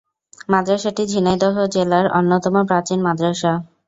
মাদ্রাসাটি ঝিনাইদহ জেলার অন্যতম প্রাচীন মাদ্রাসা।